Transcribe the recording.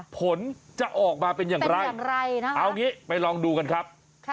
ผลจะออกมาเป็นอย่างไรนะเอางี้ไปลองดูกันครับ